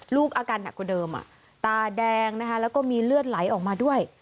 ลูกอาการหนักกว่าเดิมตาแดงนะคะแล้วก็มีเลือดไหลออกมาด้วย